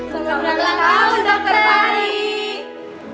selamat ulang tahun dr ferry